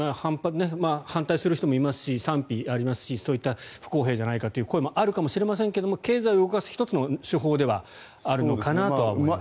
反対する人もいますし賛否ありますしそういった不公平じゃないかという声もあるかもしれませんが経済を動かす１つの手法ではあるのかなと思います。